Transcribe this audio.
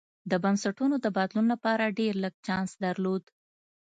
د بنسټونو د بدلون لپاره ډېر لږ چانس درلود.